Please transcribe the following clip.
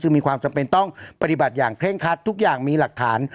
มีความจำเป็นต้องปฏิบัติอย่างเคร่งคัดทุกอย่างมีหลักฐาน